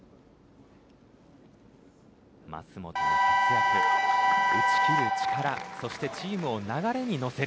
舛本の活躍打ち切る力そしてチームを流れに乗せる。